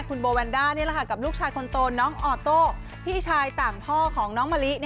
คุณโบวันดากับลูกชายคนโตน้องออโตพี่ชายต่างท่อน้องมะลิ